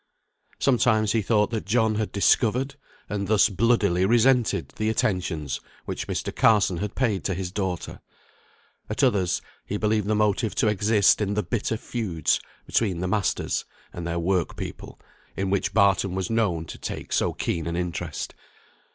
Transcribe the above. Sometimes he thought that John had discovered, and thus bloodily resented, the attentions which Mr. Carson had paid to his daughter; at others, he believed the motive to exist in the bitter feuds between the masters and their work people, in which Barton was known to take so keen an interest.